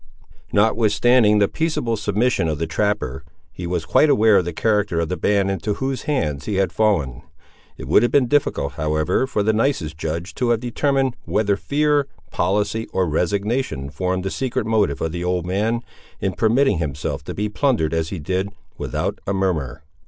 Notwithstanding the peaceable submission of the trapper, he was quite aware of the character of the band into whose hands he had fallen. It would have been difficult, however, for the nicest judge to have determined whether fear, policy, or resignation formed the secret motive of the old man, in permitting himself to be plundered as he did, without a murmur.